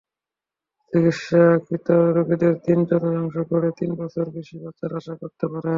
চিকিৎসাকৃত রোগীদের তিন-চতুর্থাংশ গড়ে তিন বছর বেশি বাঁচার আশা করতে পারে।